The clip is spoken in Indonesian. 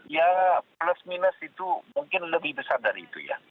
ya plus minus itu mungkin lebih besar dari itu ya